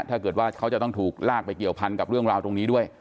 ถ้าเกิดว่าเขาจะต้องถูกลากไปเกี่ยวพันกับเรื่องราวตรงนี้ด้วย